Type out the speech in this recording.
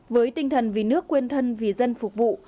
với tinh thần vì nước quên thân vì dân phục vụ